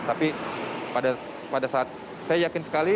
tapi pada saat saya yakin sekali